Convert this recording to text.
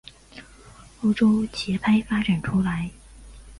欧洲节拍发展出来。